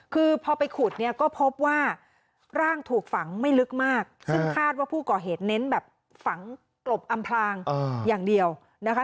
คือพอไปขุดเนี่ยก็พบว่าร่างถูกฝังไม่ลึกมากซึ่งคาดว่าผู้ก่อเหตุเน้นแบบฝังกลบอำพลางอย่างเดียวนะคะ